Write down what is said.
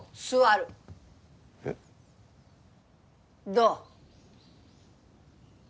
どう？